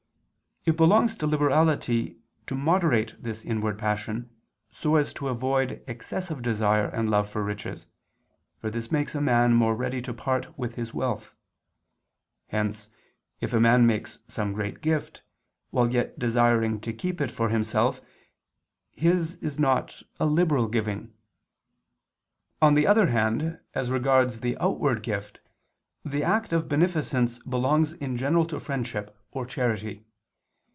It belongs to liberality to moderate this inward passion so as to avoid excessive desire and love for riches; for this makes a man more ready to part with his wealth. Hence, if a man makes some great gift, while yet desiring to keep it for himself, his is not a liberal giving. On the other hand, as regards the outward gift, the act of beneficence belongs in general to friendship or charity.